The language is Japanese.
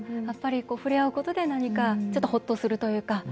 やっぱり触れ合うことで何かちょっとホッとするというか。